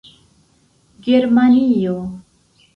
germanio